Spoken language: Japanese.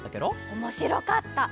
おもしろかった！